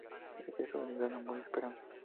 Cristo del Gran Amor y Esperanza".